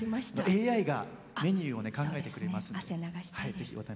ＡＩがメニューを考えてくれます。